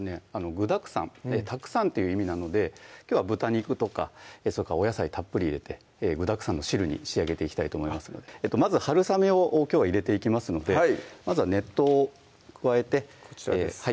「具だくさん」「たくさん」という意味なのできょうは豚肉とかそれからお野菜たっぷり入れて具だくさんの汁に仕上げていきたいと思いますのでまずはるさめをきょうは入れていきますのでまずは熱湯を加えてこちらですね